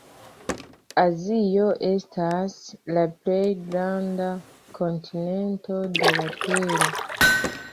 Azio estas la plej granda kontinento de la tero.